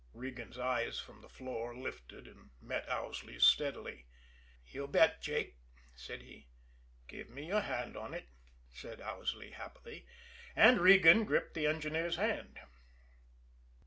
Regan's eyes, from the floor, lifted and met Owsley's steadily. "You bet, Jake!" he said. "Give me your hand on it," said Owsley happily. And Regan gripped the engineer's hand.